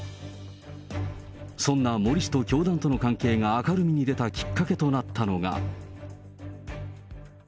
そんな森氏と教団との関係が明るみに出たきっかけとなったのが。